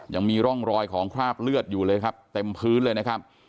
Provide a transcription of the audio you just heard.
ยังมีร่องรอยของคราบเลือดอยู่เลยครับเต็มพื้นเลยนะครับ